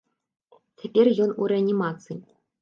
Цяпер ён у рэанімацыі.